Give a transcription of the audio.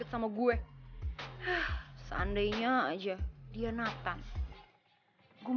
ya bulu sini aja deh